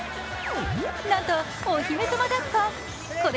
なんと、お姫さまだっこ。